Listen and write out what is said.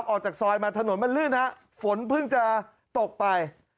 ออกจากซอยมาถนนฝนเพิ่งจะตกไป